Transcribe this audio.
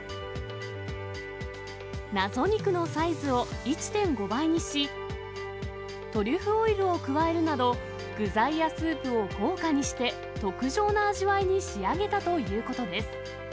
謎肉のサイズを１．５倍にし、トリュフオイルを加えるなど、具材やスープを豪華にして、特上の味わいに仕上げたということです。